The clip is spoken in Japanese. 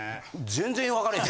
・全然分からへん